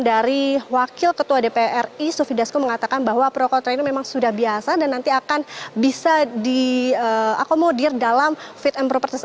dari wakil ketua dpr ri sufi dasko mengatakan bahwa pro kontra ini memang sudah biasa dan nanti akan bisa diakomodir dalam fit and proper test